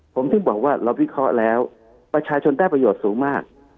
ผมถึงบอกว่าเราวิเคราะห์แล้วประชาชนได้ประโยชน์สูงมาก